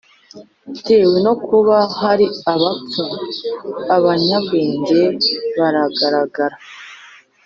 bitewe no kuba hari abapfu, abanyabwenge baragaragara